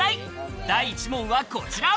第１問はこちら。